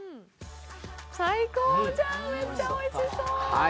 最高じゃん、めちゃおいしそう。